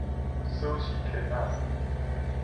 鎖匙圈仔